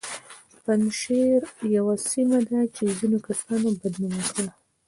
پنجشیر یوه سیمه ده چې ځینو کسانو بد نومه کړه